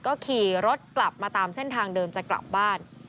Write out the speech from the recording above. ก็ขี่รถกลับมาตามเส้นทางเดิมจะกลับบ้าน